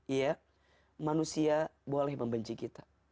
iya manusia boleh membenci kita